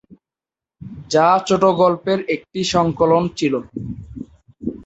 যা ছোট গল্পের একটি সংকলন ছিল।